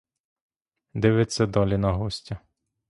Дивиться далі на гостя.